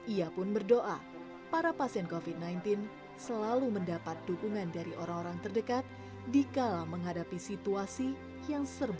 ia pun berdoa para pasien covid sembilan belas selalu mendapat dukungan dari orang orang terdekat dikala menghadapi situasi yang serba